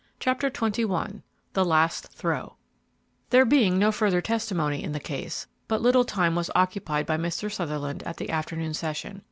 CHAPTER XXI THE LAST THROW There being no further testimony in the case, but little time was occupied by Mr. Sutherland at the afternoon session.